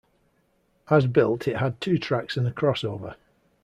As built it had two tracks and a cross-over.